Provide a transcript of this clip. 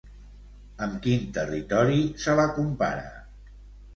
Amb quin territori se la compara?